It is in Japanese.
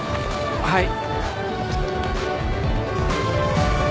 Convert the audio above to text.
はい。